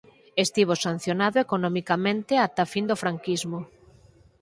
Estivo sancionado economicamente ata a fin do franquismo.